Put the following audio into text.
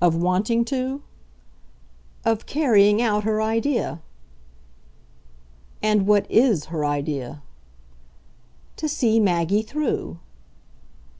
"Of wanting to?" "Of carrying out her idea." "And what IS her idea?" "To see Maggie through."